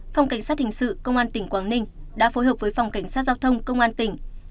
phòng cảnh sát hình sự công an tỉnh quảng ninh đã phối hợp với phòng cảnh sát giao thông công an tỉnh